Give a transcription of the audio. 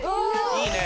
いいね。